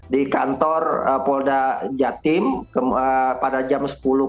di kantor polda jatim pada jam sepuluh pagi